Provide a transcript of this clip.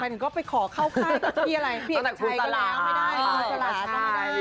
ตั้งแต่คุณตลาด